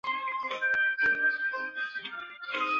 类似的还有位于朝韩非军事区内的京义线长湍站等。